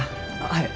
はい。